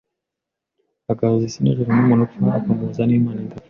agahuza isi n’ijuru, n’umuntu upfa akamuhuza n’Imana idapfa.